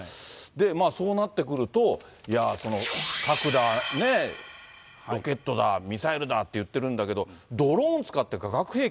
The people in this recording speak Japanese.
そうなってくると、いやぁ、核だね、ロケットだ、ミサイルだっていってるんだけど、ドローン使って化学兵器？